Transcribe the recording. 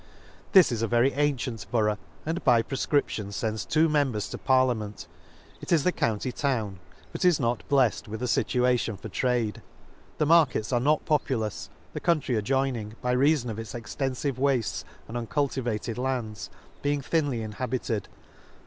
This is a very antient Borough, and by prefcription fends two members to par liament. — It is the county town, but is not bleft with a fituation for trade j the markets are not populous, the country adjoining, by reafon of its extenfive waftes and uncultivated lands, being; thinly inhabited.